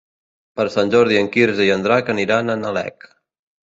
Per Sant Jordi en Quirze i en Drac aniran a Nalec.